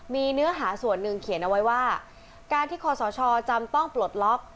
มีเนื้อหาส่วนหนึ่งเขียนเอาไว้ว่าการที่คอสชจำต้องปลดล็อก